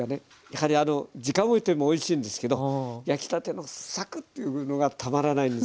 やはり時間をおいてもおいしいんですけど焼きたてのサクッというのがたまらないんですよね。